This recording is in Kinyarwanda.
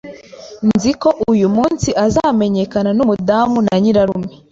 Nzi ko uyu munsi azamenyekana numudamu na nyirarume